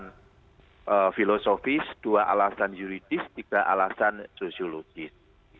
alasan filosofis dua alasan yuridis tiga alasan sosiologis